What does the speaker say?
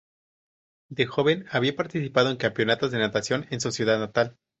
De joven había participado en campeonatos de natación en su ciudad natal.